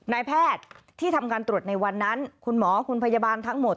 นายแพทย์ที่ทำการตรวจในวันนั้นคุณหมอคุณพยาบาลทั้งหมด